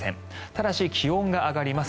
ただし、気温が上がります。